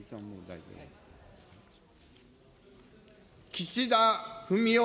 岸田文雄